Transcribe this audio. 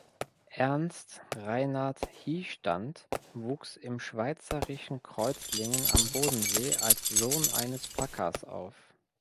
Ernst Reinhard Hiestand wuchs im schweizerischen Kreuzlingen am Bodensee als Sohn eines Packers auf.